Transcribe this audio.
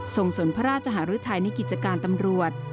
สนพระราชหารุทัยในกิจการตำรวจ